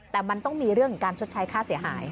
แต่มันต้องมีเรื่องของการชดใช้ค่าเสียหาย